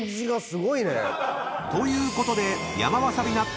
［ということで］